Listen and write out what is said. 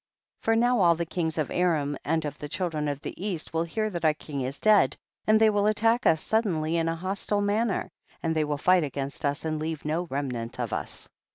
32. For now all the kings of Aram and of the children of the east will hear that our king is dead, and they will attack us suddenly in a hostile manner, and they will fight against us and leave no remnant of us.